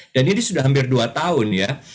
dan ini sudah hampir dua tahun